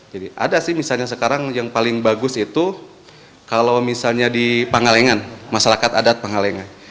jadi ada sih misalnya sekarang yang paling bagus itu kalau misalnya di pangalengan masyarakat adat pangalengan